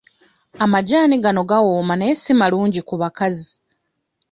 Amajaani gano gawooma naye si malungi ku bakazi.